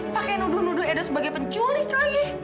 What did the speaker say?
pakai nuduh nuduh edo sebagai penculik lagi